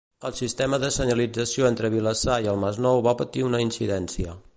El sistema de senyalització entre Vilassar i el Masnou va patir una incidència.